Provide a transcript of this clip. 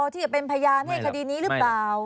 ที่เป็นพยานให้คดีนี้หรือเปล่า